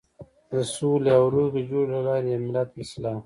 د سولې او روغې جوړې له لارې د ملت اصلاح.